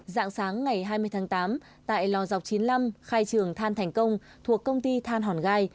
dạng sáng ngày hai mươi tháng tám tại lò dọc chín mươi năm khai trường than thành công thuộc công ty than hòn gai